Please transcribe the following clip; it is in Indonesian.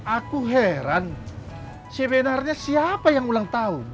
aku heran sebenarnya siapa yang ulang tahun